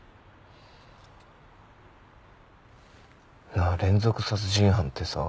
なあ連続殺人犯ってさ。